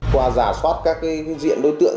qua giả soát các diện đối tượng